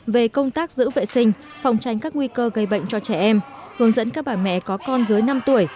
về công tác giữ vệ sinh phòng tránh các nguy cơ gây bệnh cho trẻ em hướng dẫn các bà mẹ có con dưới năm tuổi